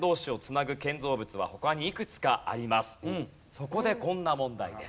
そこでこんな問題です。